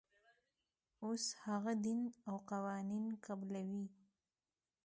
اوس هغه دین او قوانین قبلوي.